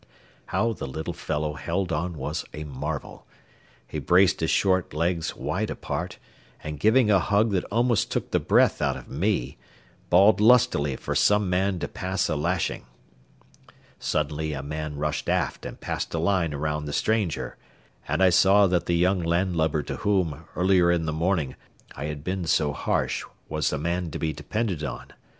How the little fellow held on was a marvel. He braced his short legs wide apart, and giving a hug that almost took the breath out of me, bawled lustily for some man to pass a lashing. Suddenly a man rushed aft and passed a line around the stranger, and I saw that the young landlubber to whom, earlier in the morning, I had been so harsh was a man to be depended on.